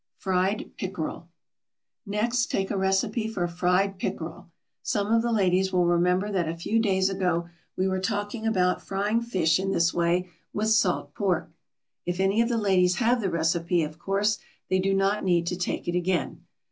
FRIED PICKEREL. Next take a recipe for fried pickerel. Some of the ladies will remember that a few days ago we were talking about frying fish in this way with salt pork. If any of the ladies have the recipe, of course they do not need to take it again.